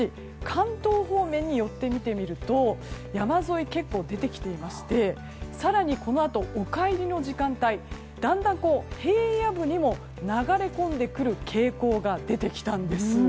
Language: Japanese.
関東方面に寄って見てみると山沿い、結構出てきていまして更に、このあとお帰りの時間帯だんだん平野部にも流れ込んでくる傾向が出てきたんです。